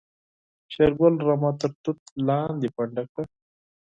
شېرګل رمه تر توت لاندې پنډه کړه.